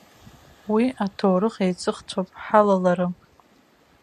Уи аҭоурых еиҵыхцәоуп, ҳалаларым.